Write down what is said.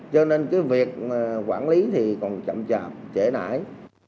cho nên cái việc quản lý thì còn chậm chạp trễ nải